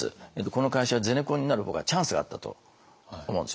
この会社はゼネコンになる方がチャンスがあったと思うんですよね。